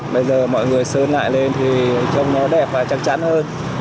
bây giờ mọi người sơn lại lên thì trông nó đẹp và chắc chắn hơn